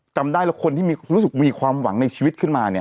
จำได้แล้วคนที่มีความรู้สึกมีความหวังในชีวิตขึ้นมาเนี่ย